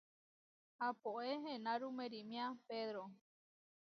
Aapóe eʼenáru meʼeriméa Pedró.